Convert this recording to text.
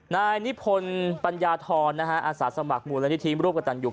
นายนิพนธ์ปัญญาธรอาสาสมัครมูลนิธิร่วมกับตันอยู่